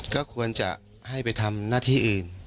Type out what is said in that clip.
ก็ควรจะให้ไปทำหน้าที่อื่น